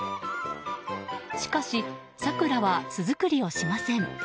しかし、サクラは巣作りをしません。